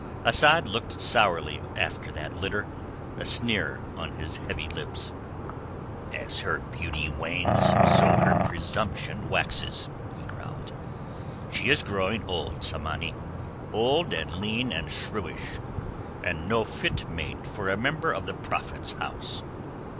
Asad looked sourly after that litter, a sneer on his heavy lips. "As her beauty wanes so her presumption waxes," he growled. "She is growing old, Tsamanni—old and lean and shrewish, and no fit mate for a Member of the Prophet's House.